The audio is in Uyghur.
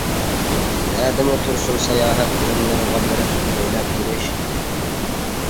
نەدىمۇ تۇرسۇن ساياھەت ئورۇنلىرىغا بېرىپ ئويناپ كېلىش.